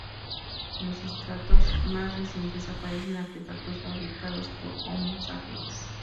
En los estratos más recientes aparecen artefactos fabricados por "Homo sapiens".